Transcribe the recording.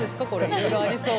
いろいろありそう。